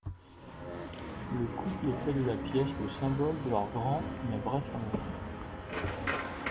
Le couple fait de la pièce le symbole de leur grand mais bref amour.